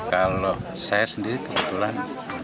kalau saya sendiri kebetulan